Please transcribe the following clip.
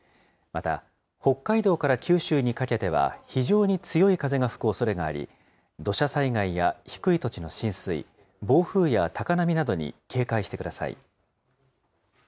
また北海道から九州にかけては非常に強い風が吹くおそれがあり、土砂災害や低い土地の浸水、暴風や高波などに警戒してください。